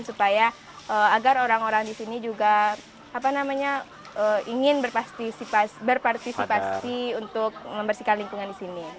supaya agar orang orang di sini juga ingin berpartisipasi untuk membersihkan lingkungan di sini